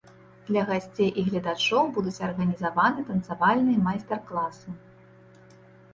Для гасцей і гледачоў будуць арганізаваны танцавальныя майстар-класы.